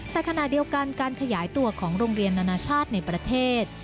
แต่ขณะเดียวกันการขยายตัวของโรงเรียนนานาชาติในประเทศ